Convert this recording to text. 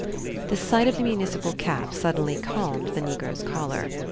The sight of the municipal cap suddenly calmed the Negroes' choler.